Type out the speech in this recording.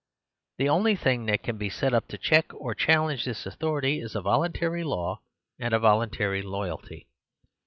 The only thing that can be set up to check or challenge this authority is a vol untary law and a voluntary loyalty.